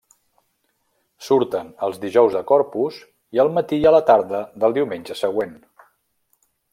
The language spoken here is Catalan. Surten el dijous de Corpus i al matí i a la tarda del diumenge següent.